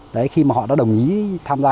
đấy khi mà họ đã đồng ý tham gia